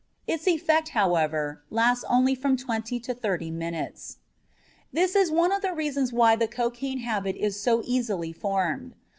Its effect, however, lasts only from twenty to thirty minutes. This is one of the reasons why the cocaine habit is so easily formed.